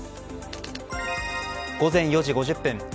午前４時５０分。